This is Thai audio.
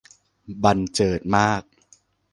บรรเจิดมาก